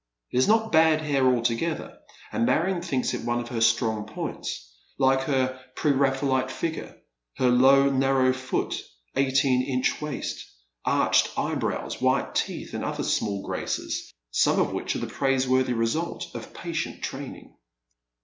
It is not bad hair altogether, and Marion thinks it one of her strong points, like her pre Raphaelite figure, her long narrow foot, eighteen inch waist, arched eyebrows, white teeth, and other wnall graces, some of which are the praiseworthy result of , patient training.